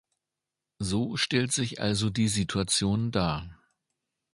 So stellt sich also die Situation dar.